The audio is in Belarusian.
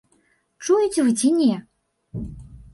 Чуеце вы ці не?